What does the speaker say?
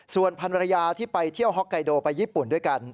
ส่วนพันรยาที่ไปเที่ยวฮอกไกโดไปญี่ปุ่นด้วยกัน